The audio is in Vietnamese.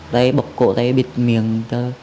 rồi bóp cổ đây bịt miệng